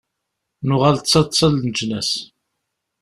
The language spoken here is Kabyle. Nuɣal d taḍṣa n leǧnas.